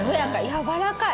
やわらかい。